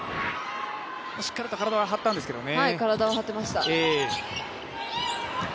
しっかりと体は張ったんですけどね。